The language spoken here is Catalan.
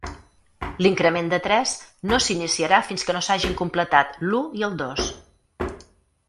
L'increment de tres no s'iniciarà fins que no s'hagin completat l'u i el dos.